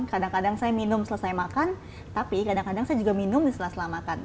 kadang kadang saya minum selesai makan tapi kadang kadang saya juga minum di setelah setelah makan